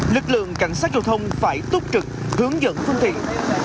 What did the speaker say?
lực lượng cảnh sát giao thông phải túc trực hướng dẫn phương tiện